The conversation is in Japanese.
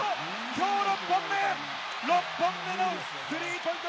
きょう６本目、６本目のスリーポイント